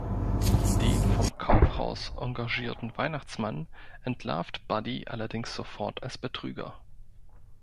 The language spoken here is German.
Den vom Kaufhaus engagierten Weihnachtsmann entlarvt Buddy allerdings sofort als Betrüger.